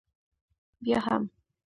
بیا هم.